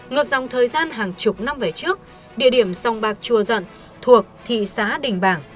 ngược dòng thời gian hàng chục năm về trước địa điểm sông bạc chùa dận thuộc thị xã đình bảng